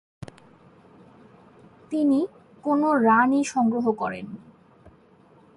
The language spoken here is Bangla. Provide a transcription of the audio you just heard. তিনি কোন রানই সংগ্রহ করেননি।